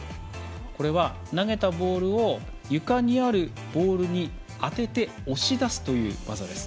これは投げたボールを床にあるボールに当てて押し出すという技です。